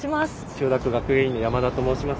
千代田区学芸員の山田と申します。